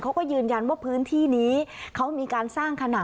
เขาก็ยืนยันว่าพื้นที่นี้เขามีการสร้างขนาด